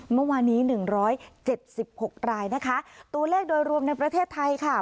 เมื่อวานนี้หนึ่งร้อยเจ็ดสิบหกรายนะคะตัวเลขโดยรวมในประเทศไทยค่ะ